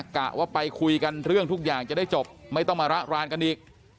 กะว่าไปคุยกันเรื่องทุกอย่างจะได้จบไม่ต้องมาระรานกันอีก